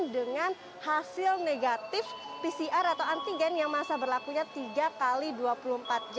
dengan hasil negatif pcr atau antigen yang masa berlakunya tiga x dua puluh empat jam